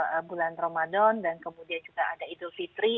di bulan ramadan dan kemudian juga ada idul fitri